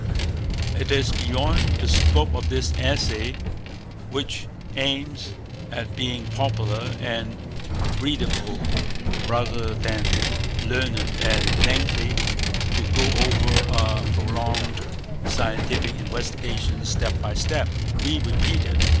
It is beyond the scope of this essay, which aims at being popular and readable rather than learned and lengthy, to go over a prolonged scientific investigation step by step. We repeat it.